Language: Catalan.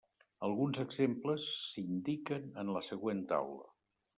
Alguns exemples s'indiquen en la següent taula.